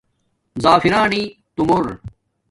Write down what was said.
زَفرانئ تومݸر